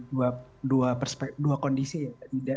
dua perspektif dua kondisi ya